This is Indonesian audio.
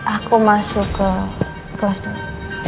aku masuk ke kelas dua